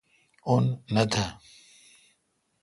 ان نہ تھ۔